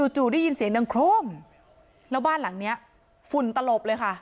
จู่ได้ยินเสียงดังโครมแล้วบ้านหลังเนี้ยฝุ่นตลบเลยค่ะ